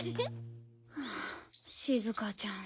はあしずかちゃん